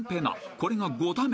［これが５打目］